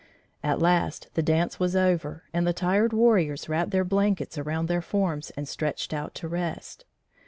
At last the dance was over and the tired warriors wrapped their blankets around their forms and stretched out to rest.